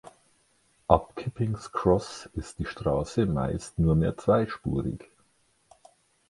Ab Kipping’s Cross ist die Straße meist nurmehr zweispurig.